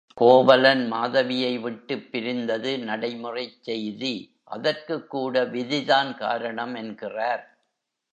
கோவலன் மாதவியை விட்டுப் பிரிந்தது நடைமுறைச் செய்தி, அதற்குக் கூட விதி தான் காரணம் என்கிறார்.